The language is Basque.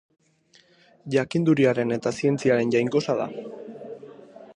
Jakinduriaren eta zientziaren jainkosa da.